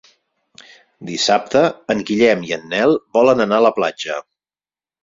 Dissabte en Guillem i en Nel volen anar a la platja.